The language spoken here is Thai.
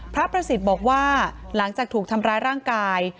พระประสิทธิ์บอกว่าหลังจากถูกทำร้ายร่างกาย